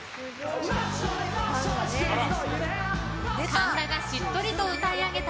神田がしっとりと歌い上げた